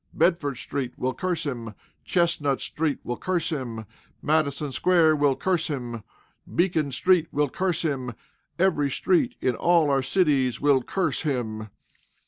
Bedford street will curse him. Chestnut street will curse him. Madison square will curse him. Beacon street will curse him. Every street in all our cities will curse him.